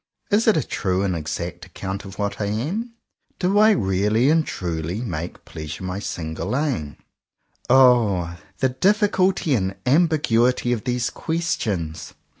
Is it a true and exact account of what I am ? Do I really and truly make Pleasure my single aim ^ O ! the difficulty and ambiguity of these ques tions!